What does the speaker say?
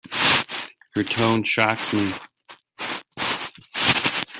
Your tone shocks me.